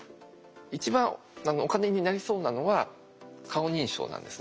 一番お金になりそうなのは顔認証なんですね。